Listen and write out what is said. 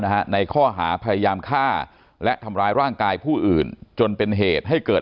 ในข้อหาพยายามฆ่าและทำร้ายร่างกายผู้อื่นจนเป็นเหตุให้เกิด